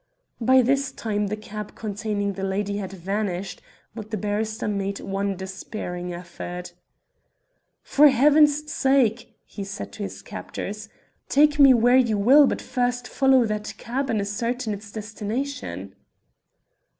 By this time the cab containing the lady had vanished, but the barrister made one despairing effort. "For heaven's sake," he said to his captors, "take me where you will, but first follow that cab and ascertain its destination."